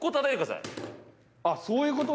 あっそういうこと？